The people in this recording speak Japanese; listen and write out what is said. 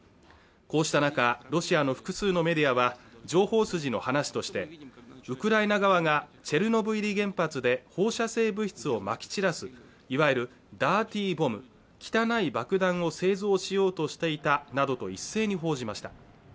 こうした中ロシアの複数のメディアは情報筋の話としてウクライナ側がチェルノブイリ原発で放射性物質をまき散らすいわゆるダーティーボム＝汚い爆弾を製造しようとしていたなどと一斉に報じました